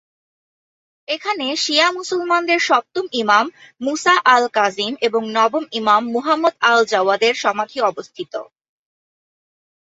এখানে শিয়া মুসলমানদের সপ্তম ইমাম মুসা আল-কাজিম এবং নবম ইমাম মুহম্মদ আল-জওয়াদের সমাধি অবস্থিত।